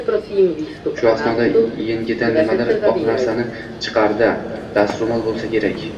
Shu asnoda engidan nimadir oq narsani chiqardi, dastro`mol bo`lsa kerak